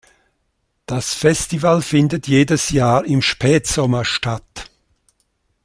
Das Festival findet jedes Jahr im Spätsommer statt.